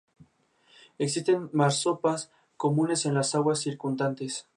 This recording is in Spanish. Existen marsopas comunes en las aguas circundantes.